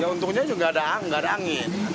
untungnya juga tidak ada angin